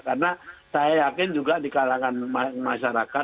karena saya yakin juga di kalangan masyarakat